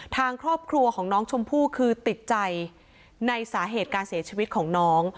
ทางครอบครัวของน้องชมพู่คือติดใจในสาเหตุการเสียชีวิตของน้อง